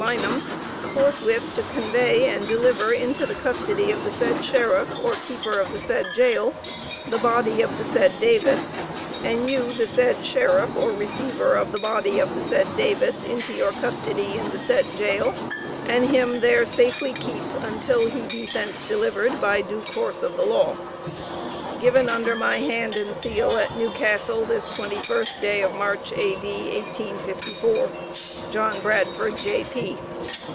Lynam, forthwith to convey and deliver into the custody of the said Sheriff, or keeper of the said jail, the body of the said Davis, and you the said Sheriff or receiver of the body of the said Davis into your custody in the said jail, and him there safely keep until he be thence delivered by due course of the law. Given under my hand and seal at New Castle this 21st day of March, A.D., 1854. JOHN BRADFORD, J.P.